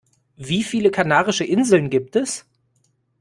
Wie viele Kanarische Inseln gibt es?